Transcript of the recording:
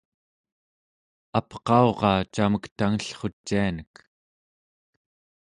apqauraa camek tangellrucianek